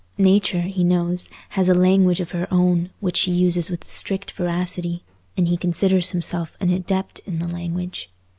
Nature, he knows, has a language of her own, which she uses with strict veracity, and he considers himself an adept in the language.